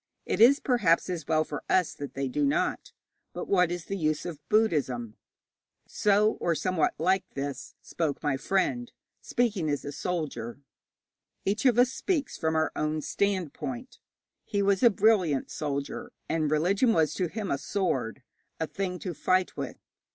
It is, perhaps, as well for us that they do not. But what is the use of Buddhism?' So, or somewhat like this, spoke my friend, speaking as a soldier. Each of us speaks from our own standpoint. He was a brilliant soldier, and a religion was to him a sword, a thing to fight with.